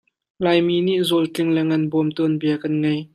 Laimi nih Zawltling le Nganbawm tuanbia kan ngei.